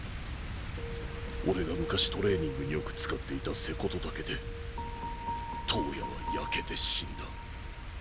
俺が昔トレーニングによく使っていた瀬古杜岳で燈矢は焼けて死んだ。